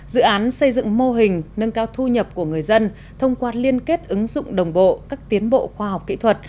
dự án xây dựng mô hình nâng cao thu nhập của người dân thông qua liên kết ứng dụng đồng bộ các tiến bộ khoa học kỹ thuật